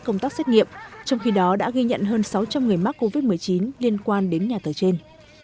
công tác xét nghiệm trong khi đó đã ghi nhận hơn sáu trăm linh người mắc covid một mươi chín liên quan đến nhà thờ trên